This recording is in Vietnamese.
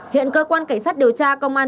hiện cơ quan cảnh sát điều tra công an